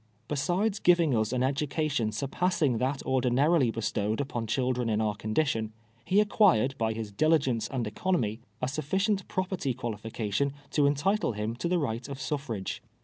Be sides giving us an education surpassing that ordinari ly bestowed upon children in our condition, he ac quired, by his diligence and economy, a sufficient property qualification to entitle him to the right of Buflrage.